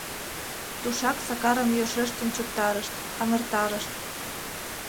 Тушак Сакарым йӧршеш тӱнчыктарышт, аҥыртарышт.